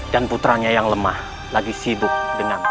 dan putranya yang lemah lagi sibuk dengan pak